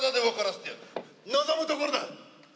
望むところだ。